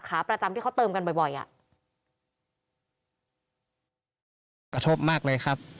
กระทบมากเลยครับ